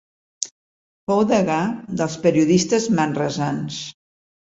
Fou degà dels periodistes manresans.